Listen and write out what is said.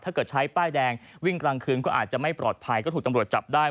ถ้าเกิดใช้ป้ายแดงวิ่งกลางคืนก็อาจจะไม่ปลอดภัยก็ถูกตำรวจจับได้